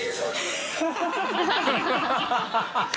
ハハハ